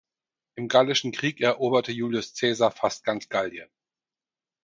Im Gallischen Krieg eroberte Julius Cäsar fast ganz Gallien.